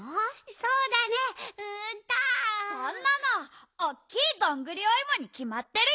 そんなのおっきいどんぐりおいもにきまってるよ！